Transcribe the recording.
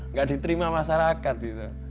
nggak diterima masyarakat gitu